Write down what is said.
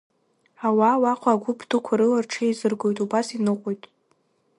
Ауаа уаҟа агәыԥ дуқәа рыла рҽеизыргоит, убас иныҟәоит.